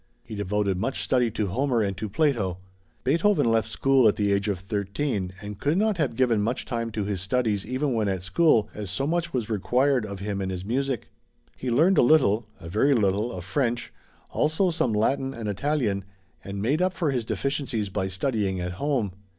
He devoted much study to Homer and to Plato. Beethoven left school at the age of thirteen, and could not have given much time to his studies even when at school, as so much was required of him in his music. He learned a little a very little, of French, also some Latin and Italian, and made up for his deficiencies by studying at home.